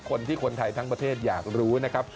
คนไทยทั้งประเทศอยากรู้นะครับ